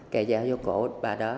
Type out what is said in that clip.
kể dào vô cổ bà đó